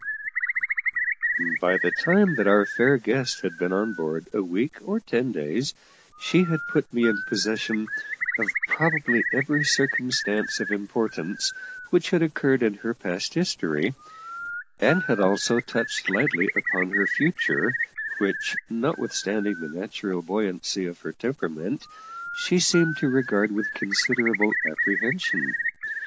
A MIRAGE. By the time that our fair guest had been on board a week or ten days, she had put me in possession of probably every circumstance of importance which had occurred in her past history, and had also touched lightly upon her future, which, notwithstanding the natural buoyancy of her temperament, she seemed to regard with considerable apprehension.